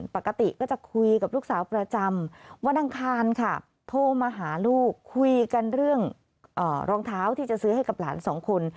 ปกติก็จะคุยกับลูกสาวประจำวันอังคารค่ะโทรมาหาลูกคุยกันเรื่องรองเท้าที่จะซื้อให้กับหลานสองคน